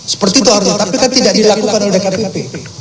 seperti itu harusnya tapi kan tidak dilakukan oleh dkpp